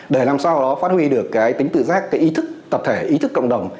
để làm sao đó phát huy được cái tính tự giác cái ý thức tập thể ý thức cộng đồng